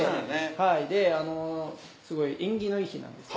であのすごい縁起のいい日なんです。